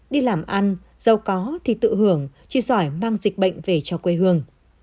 đi làm ăn giàu có thì tự hưởng chỉ giỏi mang dịch bệnh về cho quê hương